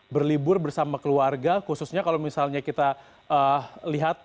berlibur bersama keluarga khususnya kalau misalnya kita lihat